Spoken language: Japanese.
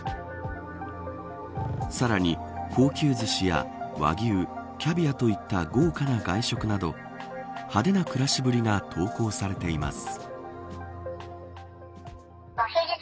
さらに高級ずしや和牛キャビアといった豪華な外食など派手な暮らしぶりが投稿されています。